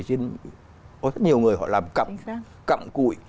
có rất nhiều người họ làm cặm cùi